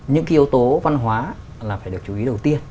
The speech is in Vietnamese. những cái yếu tố văn hóa là phải được chú ý đầu tiên